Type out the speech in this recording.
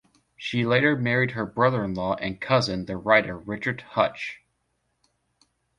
She later married her brother-in-law and cousin, the writer Richard Huch.